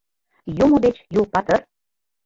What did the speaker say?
— Юмо дечын ю патыр?